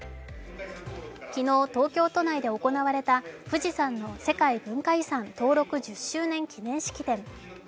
昨日、東京都内で行われた富士山の世界文化遺産登録１０周年記念式典。